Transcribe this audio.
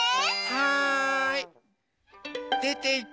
はい。